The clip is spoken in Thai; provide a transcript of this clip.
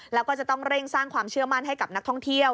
แล้วก็จะต้องเร่งสร้างความเชื่อมั่นให้กับนักท่องเที่ยว